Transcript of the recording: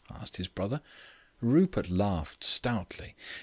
asked his brother. Rupert laughed stoutly.